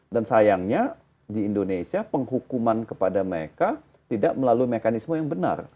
dan sayangnya di indonesia penghukuman kepada mereka tidak melalui mekanisme yang benar